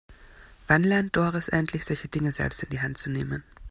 Wann lernt Doris endlich, solche Dinge selbst in die Hand zu nehmen?